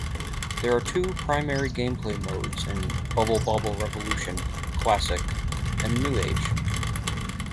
There are two primary gameplay modes in "Bubble Bobble Revolution": "Classic", and "New-Age".